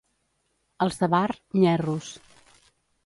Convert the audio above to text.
Els de Bar, nyerros.